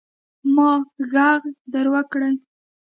ما ږغ در وکړئ.